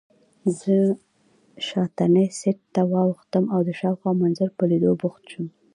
زه شاتني سېټ ته واوښتم او د شاوخوا منظرو په لیدو بوخت شوم.